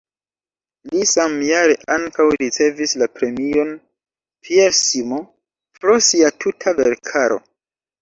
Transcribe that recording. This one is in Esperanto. Li samjare ankaŭ ricevis la premion "Pierre Simon" pro sia tuta verkaro.